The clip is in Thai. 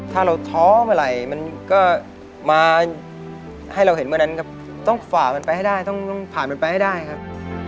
ถ้าเราท้อเมื่อไหร่มันก็มาให้เราเห็นเมื่อนั้นครับต้องฝ่ามันไปให้ได้ต้องผ่านมันไปให้ได้ครับ